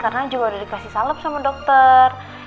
karena juga udah dikasih salep sama dokter